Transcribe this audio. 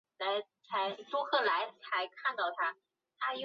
詹蒂亚神庙是位于地中海戈佐岛上的新石器时代巨石庙。